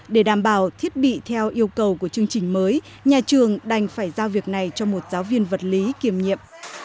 để đảm bảo thiết bị theo yêu cầu của chương trình mới nhà trường đành phải giao việc này cho một giáo viên vật lý kiềm nhiệm